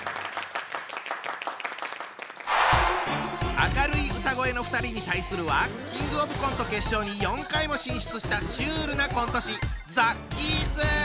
明るい歌声の２人に対するはキングオブコント決勝に４回も進出したシュールなコント師！